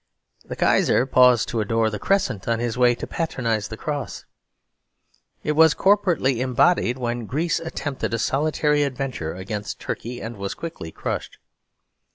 The Kaiser paused to adore the Crescent on his way to patronise the Cross. It was corporately embodied when Greece attempted a solitary adventure against Turkey and was quickly crushed.